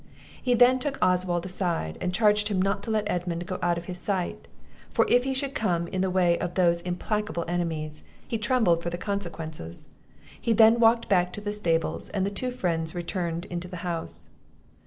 He then took Oswald aside, and charged him not to let Edmund go out of his sight; for if he should come in the way of those implacable enemies, he trembled for the consequences. He then walked back to the stables, and the two friends returned into the house.